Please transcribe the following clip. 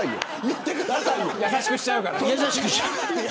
優しくしちゃうから。